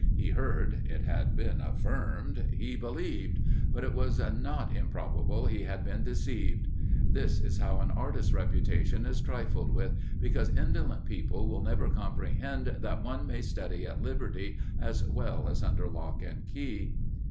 He heard it had been affirmed he believed; but it was not improbable he had been deceived. This is how an artist's reputation is trifled with, because indolent people will never comprehend that one may study at liberty as well as under lock and key.